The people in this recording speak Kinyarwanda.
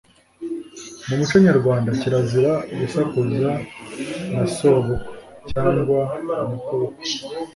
mu muco nyarwanda kirazira gusakuza na Sobukwe cyangwa Nyokobukwe.